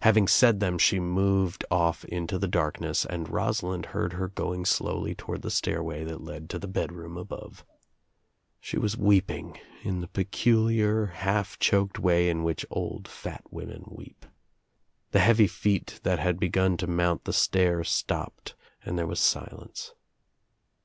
Having said them she moved off into the darkness and Rosalind heard her going slowly toward the stairway that led to the bedroom above. She was weeping in the peculiar half choked way in which old fat women weep. The heavy feet that had begun to mount the stair stopped and there was silence.